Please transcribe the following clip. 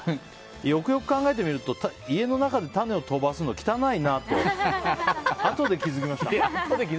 よくよく考えてみると家の中で種を飛ばすのは汚いなとあとで気づきました。